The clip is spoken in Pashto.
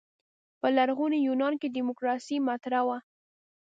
په لرغوني یونان کې دیموکراسي مطرح وه.